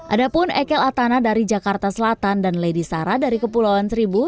ada pun ekel atana dari jakarta selatan dan lady sara dari kepulauan seribu